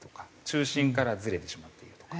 中心からズレてしまっているとか。